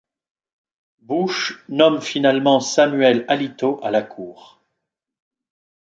Bush nomme finalement Samuel Alito à la Cour.